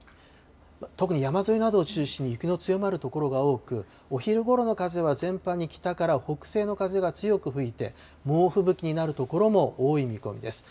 特に山沿いなどを中心に、雪の強まる所が多く、お昼ごろの風は全般に北から北西の風が強く吹いて、猛吹雪になる所も多い見込みです。